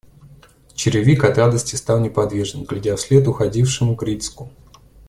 Черевик от радости стал неподвижен, глядя вслед уходившему Грицьку.